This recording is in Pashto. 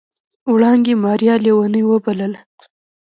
وړانګې ماريا ليونۍ وبلله.